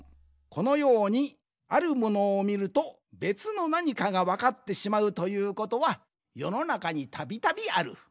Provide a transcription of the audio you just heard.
このようにあるものをみるとべつのなにかがわかってしまうということはよのなかにたびたびある。